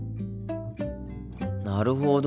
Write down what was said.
なるほど。